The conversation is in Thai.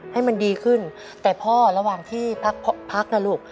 ให้มันดีขึ้นแต่พ่อระหว่างที่พักนะลูก